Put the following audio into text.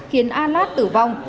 khiến a lát tử vong